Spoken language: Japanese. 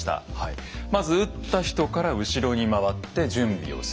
まず撃った人から後ろに回って準備をする。